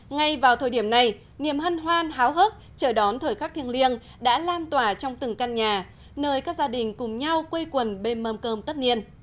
ngay vào thời điểm này niềm hân hoan háo hức chờ đón thời khắc thiêng liêng đã lan tỏa trong từng căn nhà nơi các gia đình cùng nhau quây quần bên mâm cơm tất niên